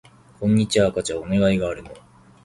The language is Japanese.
こんにちは赤ちゃんお願いがあるの